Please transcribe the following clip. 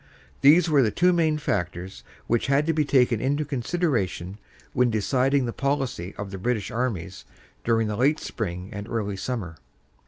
These were the two main factors which had to be taken into consideration when deciding the policy of the British armies during the late spring and early summer.